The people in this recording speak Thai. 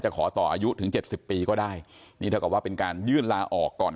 จะขอต่ออายุถึง๗๐ปีก็ได้นี่ก็ว่าเป็นการยื่นลาออกก่อน